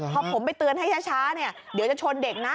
พอผมไปเตือนให้ช้าเนี่ยเดี๋ยวจะชนเด็กนะ